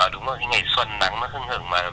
và đúng rồi cái ngày xuân nắng nó hưng hừng